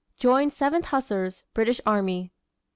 Joined 7th Hussars, British army.